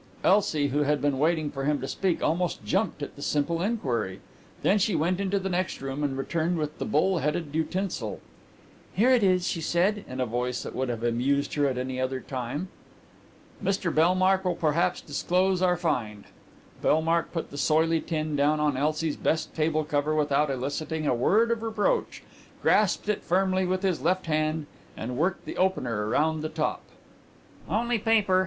Elsie, who had been waiting for him to speak, almost jumped at the simple inquiry. Then she went into the next room and returned with the bull headed utensil. "Here it is," she said, in a voice that would have amused her at any other time. "Mr Bellmark will perhaps disclose our find." Bellmark put the soily tin down on Elsie's best table cover without eliciting a word of reproach, grasped it firmly with his left hand, and worked the opener round the top. "Only paper!"